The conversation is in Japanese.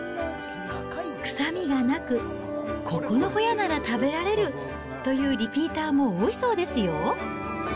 臭みがなく、ここのホヤなら食べられるというリピーターも多いそうですよ。